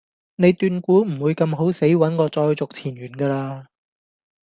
你斷估唔會咁好死搵我再續前緣架喇?